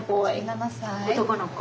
男の子。